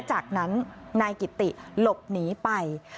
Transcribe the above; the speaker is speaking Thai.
จากนั้นนายกิติหลบหนีไป